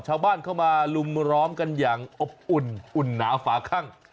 ชาวบ้านเข้ามาลุมร้อมกันอย่างอบอุ่นอุ่นหนาฝาคั่ง